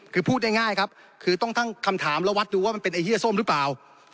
คือพูดง่ายครับคือต้องตั้งคำถามและวัดดูว่ามันเป็นไอ้เฮียส้มหรือเปล่า